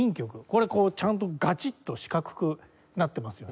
これちゃんとがちっと四角くなってますよね。